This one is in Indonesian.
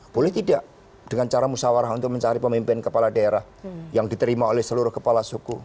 boleh tidak dengan cara musyawarah untuk mencari pemimpin kepala daerah yang diterima oleh seluruh kepala suku